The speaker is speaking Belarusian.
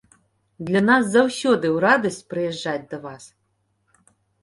Для нас заўсёды ў радасць прыязджаць да вас.